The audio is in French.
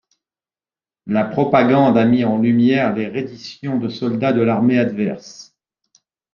La propagande a mis en lumière les redditions de soldats de l’armée adverse.